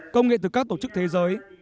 công nghệ từ các tổ chức thế giới